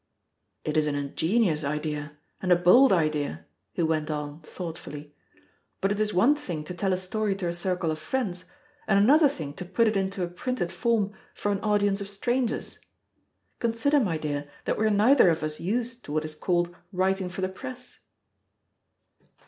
"It is an ingenious idea, and a bold idea," he went on, thoughtfully. "But it is one thing to tell a story to a circle of friends, and another thing to put it into a printed form for an audience of strangers. Consider, my dear, that we are neither of us used to what is called writing for the press."